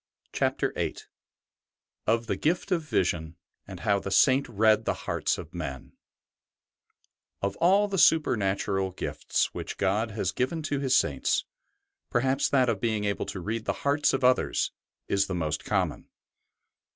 CHAPTER VIII OF THE GIFT OF VISION, AND HOW THE SAINT READ THE HEARTS OF MEN Of all the supernatural gifts which God has given to His Saints, perhaps that of being able to read the hearts of others is the most common.